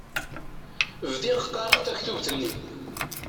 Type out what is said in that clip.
Bdiɣ qqaṛeɣ taktubt-nni.